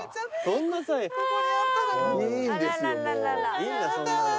いいんだそんなのは。